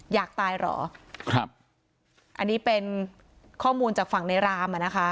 อยากตายเหรอครับอันนี้เป็นข้อมูลจากฝั่งในรามอ่ะนะคะ